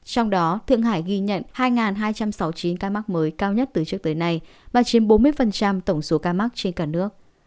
trong đó thượng hải ghi nhận hai hai trăm sáu mươi chín ca mắc mới cao nhất từ trước tới nay và chiếm bốn mươi tổng số ca mắc trên cả nước